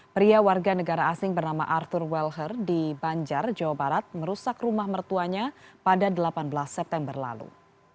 pria warga negara asing bernama arthur weller di banjar jawa barat merusak rumah mertuanya pada delapan belas september lalu